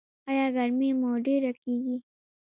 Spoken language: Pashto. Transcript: ایا ګرمي مو ډیره کیږي؟